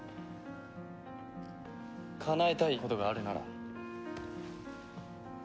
かなえたいことがあるなら戦え。